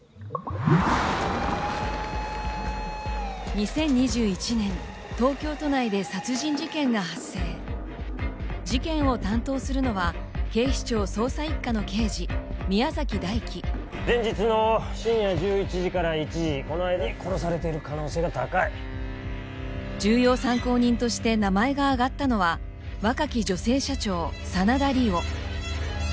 ２０２１年東京都内で殺人事件が発生事件を担当するのは警視庁捜査一課の刑事前日の深夜１１時から１時この間に殺されている可能性が高い重要参考人として名前が挙がったのは若き女性社長真田梨央